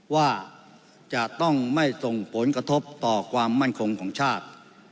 ว่าจะต้องไม่ส่งผลกระทบต่อความมั่นคงของชาติ